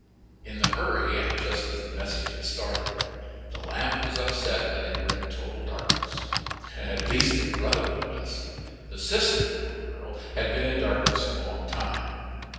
In the hurry, and just as the message had started, the lamp was upset and they were in total darkness at least, the brother was. The sister, poor girl, had been in darkness a long time.